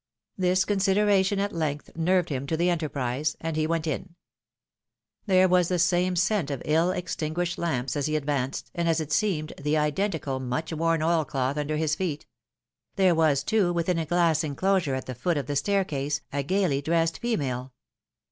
This consideration at length nerved him to the enterprise, and he went ia. There was the same scent of ill extinguished lamps as he advanced, and as it seemed, the identical much worn oil cloth under his feet ; there was, too, within a glass inclosure at the foot of the staircase, a gaily dressed female.